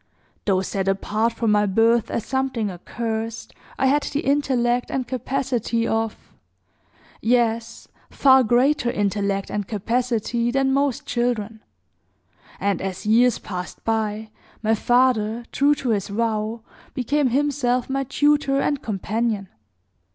Though set apart from my birth as something accursed, I had the intellect and capacity of yes, far greater intellect and capacity than, most children; and, as years passed by, my father, true to his vow, became himself my tutor and companion.